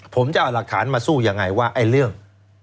ผมจะเอาหลักฐานมาสู้ยังไงว่าไอ้เรื่อง